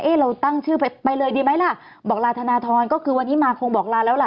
เราตั้งชื่อไปไปเลยดีไหมล่ะบอกลาธนทรก็คือวันนี้มาคงบอกลาแล้วล่ะ